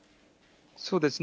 そうですね。